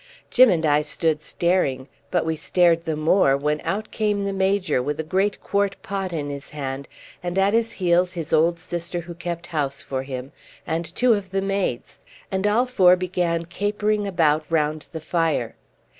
Jim and I stood staring, but we stared the more when out came the Major, with a great quart pot in his hand, and at his heels his old sister who kept house for him, and two of the maids, and all four began capering about round the fire.